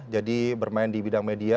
jadi bermain di bidang media